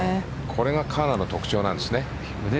これが川奈の特徴なんですね。